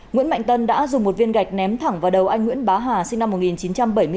nguyễn mạnh tân đã dùng một viên gạch ném thẳng vào đầu anh nguyễn bá hà sinh năm một nghìn chín trăm bảy mươi sáu